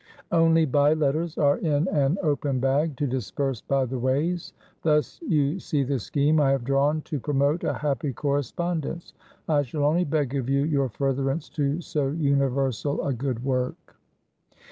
Only by letters are in an open bag, to dispense by the wayes. Thus you see the scheme I have drawne to promote a happy correspondence. I shall only beg of you your furtherance to so universall a good work.